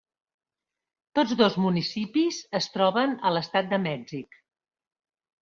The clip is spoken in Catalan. Tots dos municipis es troben a l'Estat de Mèxic.